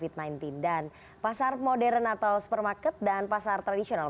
dan pasar modern atau supermarket dan pasar tradisional